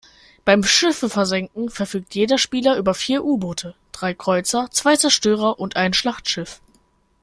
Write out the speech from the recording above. Beim Schiffe versenken verfügt jeder Spieler über vier U-Boote, drei Kreuzer, zwei Zerstörer und ein Schlachtschiff.